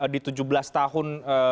di tujuh belas tahun